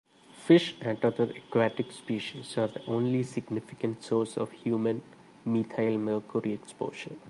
Fish and other aquatic species are the only significant source of human methylmercury exposure.